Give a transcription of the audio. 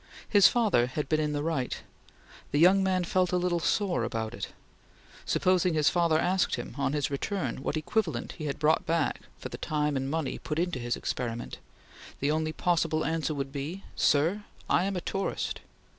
His father had been in the right. The young man felt a little sore about it. Supposing his father asked him, on his return, what equivalent he had brought back for the time and money put into his experiment! The only possible answer would be: "Sir, I am a tourist!"